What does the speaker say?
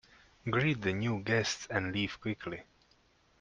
Greet the new guests and leave quickly.